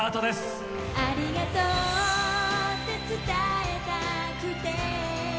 「“ありがとう”って伝えたくて」